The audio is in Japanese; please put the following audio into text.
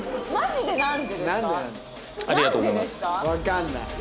わかんない。